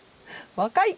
若い！